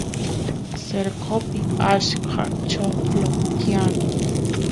cercopi achka choclo tiyan